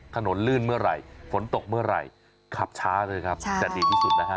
ลื่นเมื่อไหร่ฝนตกเมื่อไหร่ขับช้าเลยครับจะดีที่สุดนะฮะ